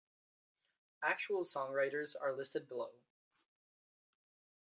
Actual songwriters are listed below.